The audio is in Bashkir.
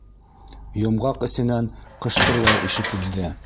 Йомғаҡ эсенән ҡыштырлау ишетелде.